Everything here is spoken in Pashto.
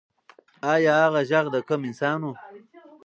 ایا هغه غږ د کوم انسان و؟